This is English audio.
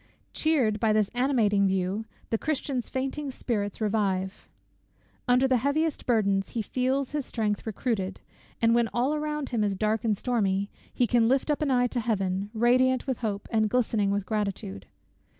Cheered by this animating view, the Christian's fainting spirits revive. Under the heaviest burdens he feels his strength recruited; and when all around him is dark and stormy, he can lift up an eye to Heaven, radiant with hope, and glistening with gratitude.